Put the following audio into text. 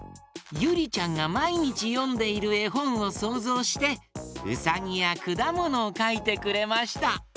ゆりちゃんがまいにちよんでいるえほんをそうぞうしてうさぎやくだものをかいてくれました。